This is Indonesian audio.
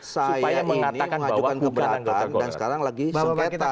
saya ingin mengajukan keberatan dan sekarang lagi sengketa